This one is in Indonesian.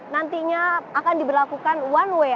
nantinya akan diberlakukan one way